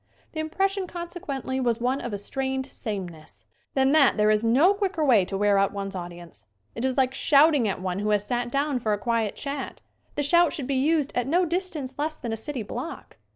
The impression conse quently was one of a strained sameness. Than that there is no quicker way to wear out one's audience. It is like shouting at one who has sat down for a quiet chat. The shout should be used at no distance less than a city block.